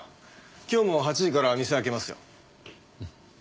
今日も８時から店開けますよ。